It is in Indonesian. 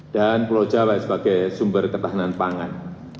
dan pulau jawa sebagai sumber ketahanan pangan